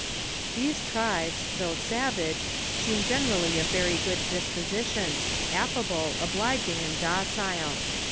These tribes, though savage, seem geaerally of very good dispositions, affable, obliging, and dc jile.